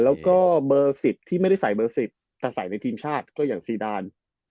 แล้วก็เบอร์๑๐ที่ไม่ได้ใส่เบอร์๑๐แต่ใส่ในทีมชาติก็อย่างซีดาน